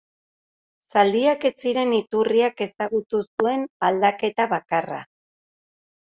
Zaldiak ez ziren iturriak ezagutu zuen aldaketa bakarra.